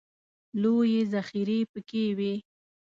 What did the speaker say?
لویې ذخیرې پکې وې.